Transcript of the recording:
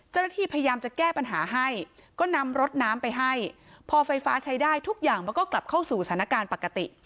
เจ้าหน้าที่พยายามจะแก้ปัญหาให้ก็นำรถน้ำไปให้พอไฟฟ้าใช้ได้ทุกอย่างมันก็กลับเข้าสู่สถานการณ์ปกติ